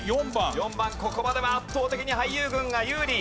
ここまでは圧倒的に俳優軍が有利。